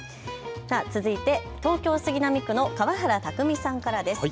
続いて東京杉並区の河原拓巳さんからです。